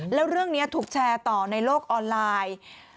แล้วเรื่องนี้ถูกแชร์ต่อในโลกออนไลน์